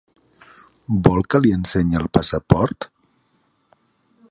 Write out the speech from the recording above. Vol que li ensenyi el passaport?